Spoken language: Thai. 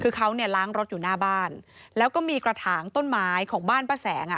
คือเขาเนี่ยล้างรถอยู่หน้าบ้านแล้วก็มีกระถางต้นไม้ของบ้านป้าแสงอ่ะ